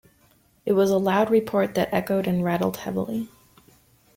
It was a loud report that echoed and rattled heavily.